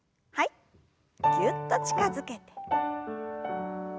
ぎゅっと近づけて。